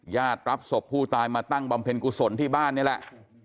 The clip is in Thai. ญาติรับศพผู้ตายมาตั้งบำเพ็ญกุศลที่บ้านนี่แหละ